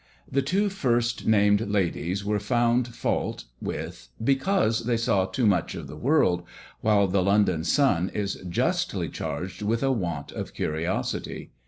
The two first named ladies were found fault with because they saw too much of the world, while the London sun is justly charged with a want of curiosity.